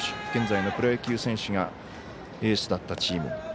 現在のプロ野球選手がエースだったチーム。